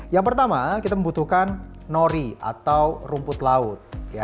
yang pertama kita membutuhkan nori atau rumput laut